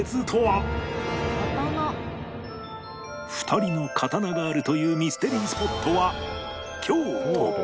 ２人の刀があるというミステリースポットは